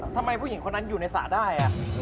ทำไมผู้หญิงคนนั้นอยู่ในสระได้